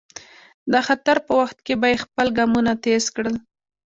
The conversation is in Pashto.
د خطر په وخت کې به یې خپل ګامونه تېز کړل.